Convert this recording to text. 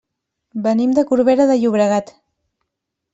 Venim de Corbera de Llobregat.